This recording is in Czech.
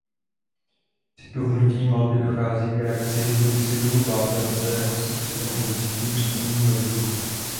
Při tuhnutí malty dochází k reakci hydroxidu vápenatého s oxidem uhličitým přítomným ve vzduchu.